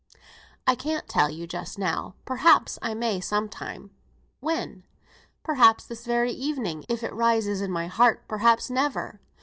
"I can't tell you just now; perhaps I may sometime." "When?" "Perhaps this very evening, if it rises in my heart; perhaps never.